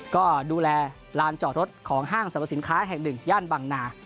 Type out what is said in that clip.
ก็ดูแลลานจอดรถของห้างสรรพสินค้าแห่งหนึ่งย่านบางนา